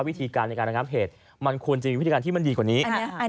วิธีการมันควรมีวิธีการที่มันดีกว่านี้